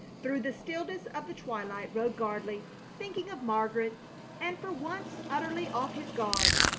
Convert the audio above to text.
Through the stillness of the twilight rode Gardley, thinking of Margaret, and for once utterly off his guard.